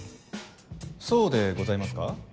そうでございますか？